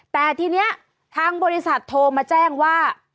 แต่ทีนี้ทางบริษัทโทรมาแจ้งว่า